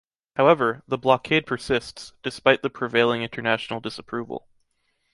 However, the blockade persists, despite the prevailing international disapproval.